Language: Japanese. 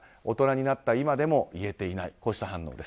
大人になった今でも言えていない。